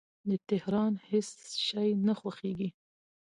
د تهران هیڅ شی نه خوښیږي